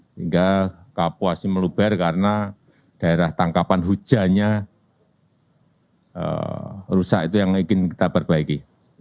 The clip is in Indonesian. sehingga kapuasnya meluber karena daerah tangkapan hujannya rusak itu yang ingin kita perbaiki